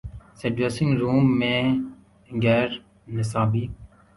سے dressing room میں غیر نصابی